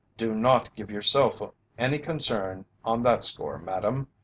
"Do not give yourself any concern on that score, madam.